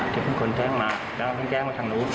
ที่คนแจ้งมาแล้วต้องแจ้งไปทางนู้น